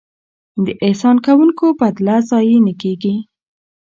د احسان کوونکو بدله ضایع نه کیږي.